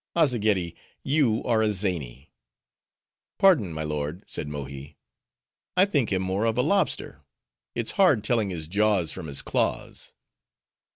"Azzageddi, you are a zany." "Pardon, my lord," said Mohi, "I think him more of a lobster; it's hard telling his jaws from his claws."